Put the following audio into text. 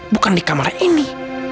bukan di kamar ini